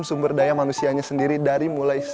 dimanfaatkan oleh kementerian desa tersebut